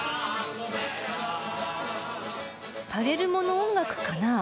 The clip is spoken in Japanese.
パレルモの音楽かな。